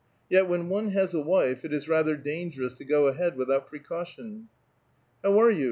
Yet when one h:is a wife, it is rather dangerous to go ahead without pre caution.'* *• How are you?